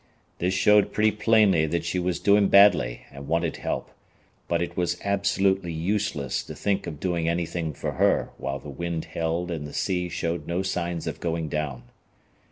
This showed pretty plainly that she was doing badly and wanted help, but it was absolutely useless to think of doing anything for her while the wind held and the sea showed no signs of going down.